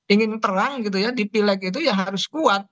ingin terang gitu ya di pileg itu ya harus kuat